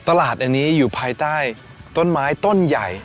ตลาดอันนี้อยู่ภายใต้ต้นไม้ต้นใหญ่